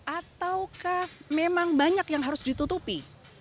ataukah memang banyak yang harus ditutupi